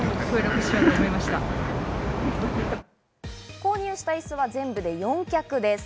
購入したイスは全部で４脚です。